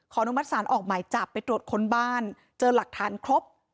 นุมัติศาลออกหมายจับไปตรวจค้นบ้านเจอหลักฐานครบ